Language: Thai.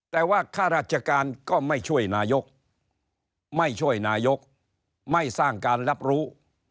แต่ว่าข้าราชการก็ไม่ช่วยนายกไม่ช่วยนายกไม่สร้างการรับรู้